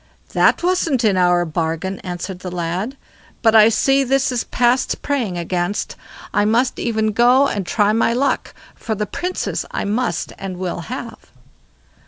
"That wasn't in our bargain", answered the lad; "but I see this is past praying against; I must e'en go and try my luck, for the Princess I must and will have."